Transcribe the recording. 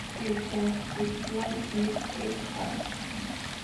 Circunscripción: Smith "et al.